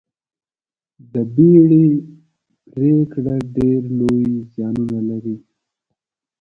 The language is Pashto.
د بیړې پرېکړه ډېر لوی زیانونه لري.